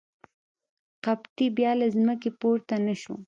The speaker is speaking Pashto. قبطي بیا له ځمکې پورته نه شو.